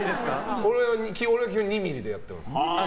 俺は２ｍｍでやってます。